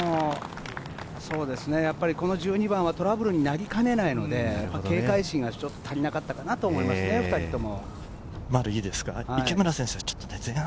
１２番はトラブルになりかねないので、警戒心がちょっと足りなかったかなと思いますね、２人とも。